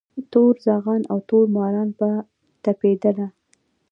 تور زاغان او تور ماران به تپېدله